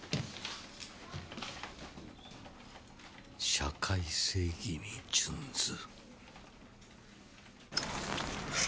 「社会正義に殉ず」。